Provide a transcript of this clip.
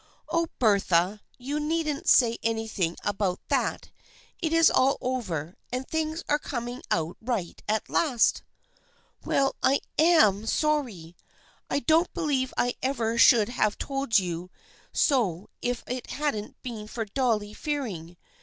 Oh, Bertha, you needn't say anything about that ! It is all over, and things are coming out right at last." " Well, I am sorry. I don't believe I ever should have told you so if it hadn't been for Dolly Fearing.